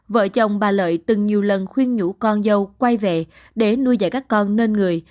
vợ chồng bà lợi từng nhiều lần khuyên nhũ con dâu quay về để nuôi dạy các con nên người